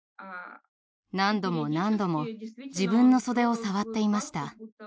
何度も何度も自分の袖を触っていました。